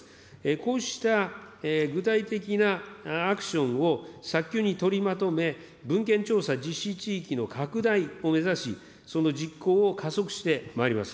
こうした具体的なアクションを早急に取りまとめ、文献調査実施地域の拡大を目指し、その実行を加速してまいります。